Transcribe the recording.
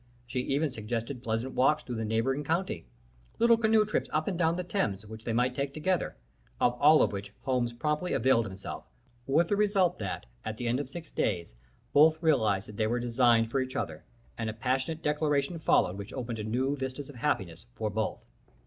She even suggested pleasant walks through the neighboring country, little canoe trips up and down the Thames, which they might take together, of all of which Holmes promptly availed himself, with the result that, at the end of six days, both realized that they were designed for each other, and a passionate declaration followed which opened new vistas of happiness for both.